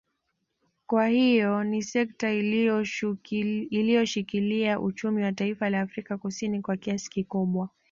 Kwa hiyo ni sekta iliyoushikila uchumi wa taifa la Afrika Kusini kwa kiasi kikubwa